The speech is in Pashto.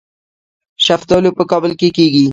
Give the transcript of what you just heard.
شفتالو په کابل کې کیږي